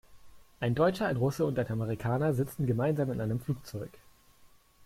Ein Deutscher, ein Russe und ein Amerikaner sitzen gemeinsam in einem Flugzeug.